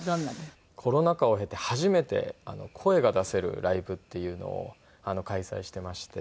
コロナ禍を経て初めて声が出せるライブっていうのを開催していまして。